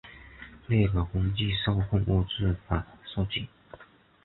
列表根据受控物质法设计。